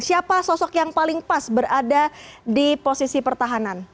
siapa sosok yang paling pas berada di posisi pertahanan